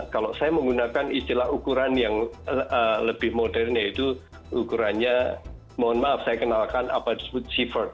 kalau saya menggunakan istilah ukuran yang lebih modern yaitu ukurannya mohon maaf saya kenalkan apa disebut cheevert